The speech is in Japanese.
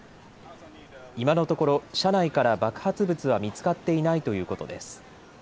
今のところ車内から爆発物は見つかっていないということです。